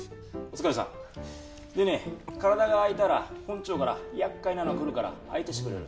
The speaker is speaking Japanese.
でね、体が空いたら、本庁からやっかいなの来るから、相手してくれる？